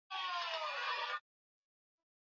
watangazaji wanazungumzia mada vizuri kama wataalamu